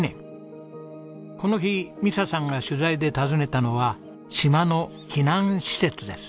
この日美砂さんが取材で訪ねたのは島の避難施設です。